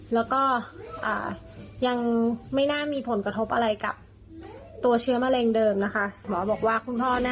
แล้วก็ยังไม่น่ามีผลกระทบอะไรกับตัวเชื้อมะเร็งเดิมนะคะ